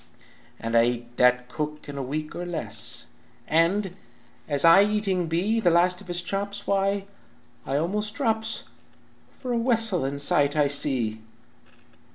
"And I eat that cook in a week or less, And as I eating be The last of his chops, why, I almost drops, For a wessel in sight I see!